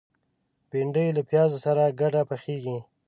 بېنډۍ له پیازو سره ګډه پخېږي